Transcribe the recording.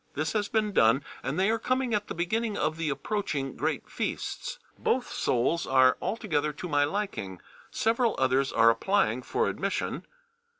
This has been done, and they are coming at the beginning of the approaching great feasts. Both souls are altogether to my liking. Several others are applying for admission....